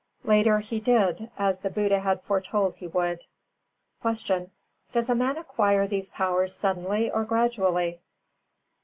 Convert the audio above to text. Later he did, as the Buddha had foretold he would. 373. Q. _Does a man acquire these powers suddenly or gradually?